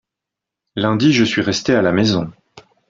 lundi je suis resté à la maison.